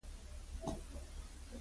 کندهار پوهنتون په کندهار کي دئ.